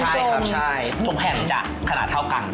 ใช่ครับใช่ทุกแห่งจะขนาดเท่ากัน